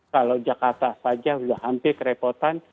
kalau jakarta saja sudah hampir kerepotan